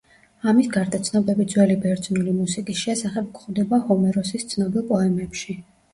ამის გარდა ცნობები ძველი ბერძნული მუსიკის შესახებ გვხვდება ჰომეროსის ცნობილ პოემებში.